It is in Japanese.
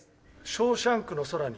『ショーシャンクの空に』。